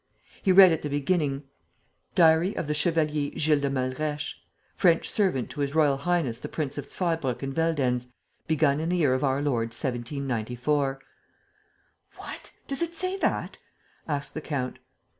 He read, at the beginning: "_Diary of the Chevalier GILLES DE MALRÊCHE, French servant to His Royal Highness the Prince of ZWEIBRUCKENVELDENZ, begun in the Year of Our Lord 1794._" "What! Does it say that?" asked the count.